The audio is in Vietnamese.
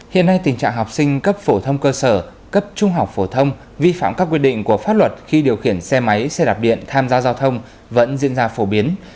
hiện nay tình trạng học sinh cấp phổ thông cơ sở cấp trung học phổ thông vi phạm các quy định của pháp luật khi điều khiển xe máy xe đạp điện tham gia giao thông vẫn diễn ra phổ biến